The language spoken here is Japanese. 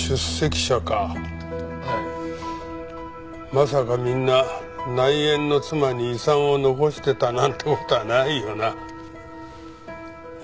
まさかみんな内縁の妻に遺産を残してたなんて事はないよな？え？